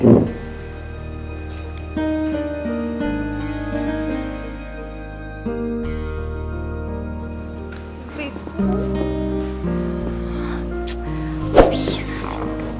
yang hari ini makasih